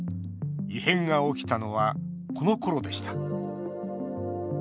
異変が起きたのはこのころでした。